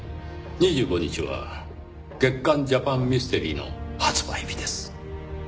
２５日は月刊『ジャパン・ミステリー』の発売日です。